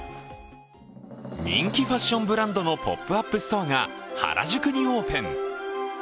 人気ファッションブランドのポップアップショップが原宿にオープン。